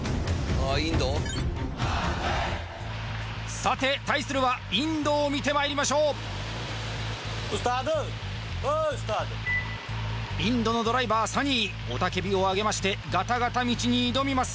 さて対するはインドを見てまいりましょうインドのドライバーサニー雄たけびを上げましてガタガタ道に挑みます